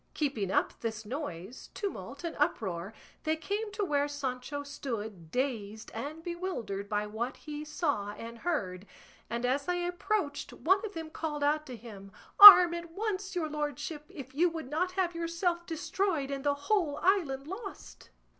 Keeping up this noise, tumult, and uproar, they came to where Sancho stood dazed and bewildered by what he saw and heard, and as they approached one of them called out to him, "Arm at once, your lordship, if you would not have yourself destroyed and the whole island lost."